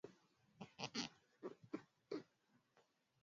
Lakini ujuzi wake na wepesi pia maono na jinsi alivyodhibiti mpira